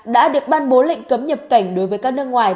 đã được ban bố lệnh cấm nhập cảnh đối với các nước ngoài